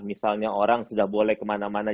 misalnya orang sudah boleh kemana mana